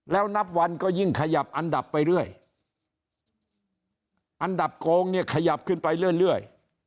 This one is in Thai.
แล้วนับวันก็ยิ่งขยับอันดับไปเรื่อยอันดับโกงเนี่ยขยับขึ้นไปเรื่อย